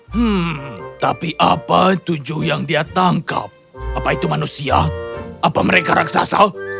hmm tapi apa tujuh yang dia tangkap apa itu manusia apa mereka raksasa